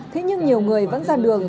thế nhưng nhiều người vẫn ra đường